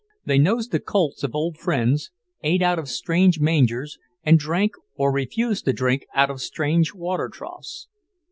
They nosed the colts of old friends, ate out of strange mangers, and drank, or refused to drink, out of strange water troughs.